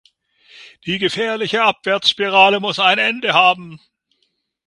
Die gefährliche Abwärtsspirale muss ein Ende haben.